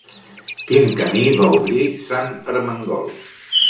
Quin camí va obrir Sant Ermengol?